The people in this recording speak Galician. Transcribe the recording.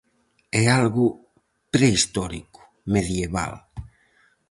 É algo prehistórico, medieval.